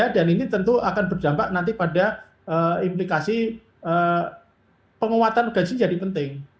dan ini tentu akan berdampak nanti pada implikasi penguatan organisasi jadi penting